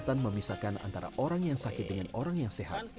kesehatan memisahkan antara orang yang sakit dengan orang yang sehat